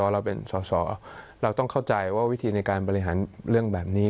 เราต้องเข้าใจว่าวิธีในการบริหารเรื่องแบบนี้